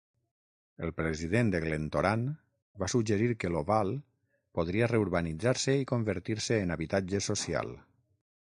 El president de Glentoran va suggerir que l'Oval podria reurbanitzar-se i convertir-se en habitatge social.